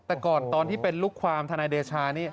แต่ก่อนตอนที่เป็นลูกความทนายเดชานี่